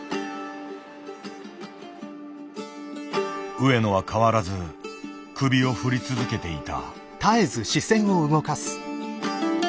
上野は変わらず首を振り続けていた。